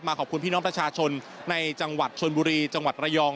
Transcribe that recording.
ขอบคุณพี่น้องประชาชนในจังหวัดชนบุรีจังหวัดระยอง